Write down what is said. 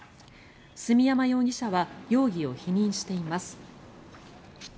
住山容疑者は容疑を否認しています。